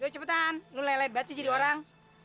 cepetan lu lelebat sih jadi orang